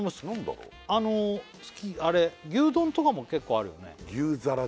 あのあれ牛丼とかも結構あるよね